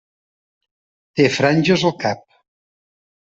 Té franges al cap.